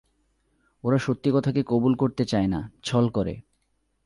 ওরা সত্যি কথাকে কবুল করতে চায় না, ছল করে।